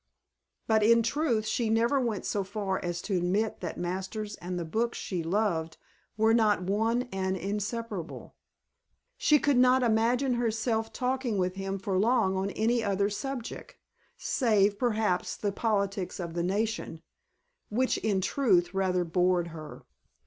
But in truth she never went so far as to admit that Masters and the books she loved were not one and inseparable. She could not imagine herself talking with him for long on any other subject, save, perhaps, the politics of the nation which, in truth, rather bored her.